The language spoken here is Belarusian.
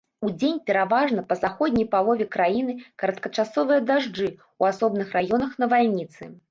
Удзень пераважна па заходняй палове краіны кароткачасовыя дажджы, у асобных раёнах навальніцы.